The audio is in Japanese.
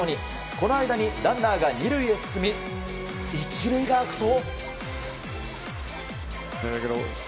この間にランナーが２塁へ進み１塁が空くと。